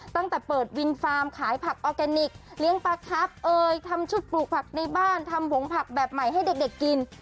ตั้งแต่เปิดวินฟาร์มขายผักออร์แกนิคเลี้ยงปลาครับเอ่ยทำชุดปลูกผักในบ้านทำผงผักแบบใหม่ให้เด็กกิน